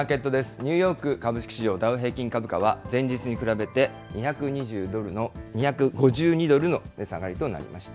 ニューヨーク株式市場ダウ平均株価は、前日に比べて２５２ドルの値下がりとなりました。